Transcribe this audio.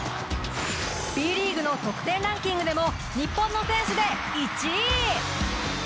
Ｂリーグの得点ランキングでも日本の選手で１位！